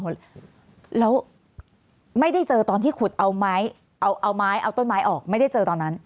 หมดแล้วไม่ได้เจอตอนที่ขุดเอาไม้เอาไม้เอาต้นไม้ออกไม่ได้เจอตอนนั้น